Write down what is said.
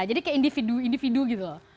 jadi kayak individu individu gitu loh